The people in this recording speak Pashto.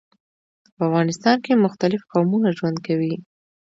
په افغانستان کي مختلیف قومونه ژوند کوي.